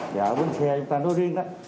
và ở bến xe chúng ta nói riêng